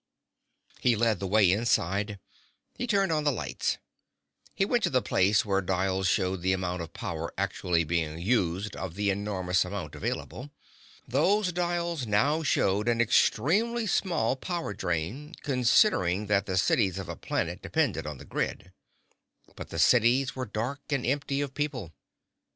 He led the way inside. He turned on lights. He went to the place where dials showed the amount of power actually being used of the enormous amount available. Those dials now showed an extremely small power drain, considering that the cities of a planet depended on the grid. But the cities were dark and empty of people.